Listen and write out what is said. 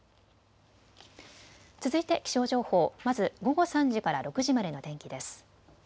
続いて気象情報、まず午後３時から６時までの天気です。